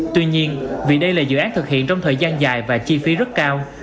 tuy nhiên vì đây là dự án thực hiện trong thời gian dài và chi phí rất cao